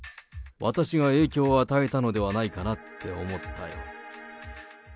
私が影響を与えたのではないかなって思ったよ。